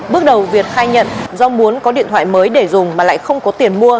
bước đầu việt khai nhận do muốn có điện thoại mới để dùng mà lại không có tiền mua